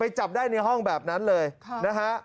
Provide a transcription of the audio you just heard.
จับได้ในห้องแบบนั้นเลยนะฮะ